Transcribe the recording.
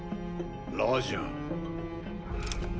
ラジャン。